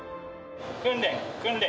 訓練訓練。